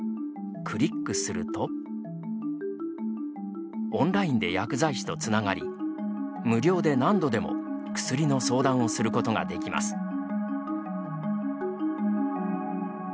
クリックするとオンラインで薬剤師とつながり無料で何度でも薬の相談をすることができます。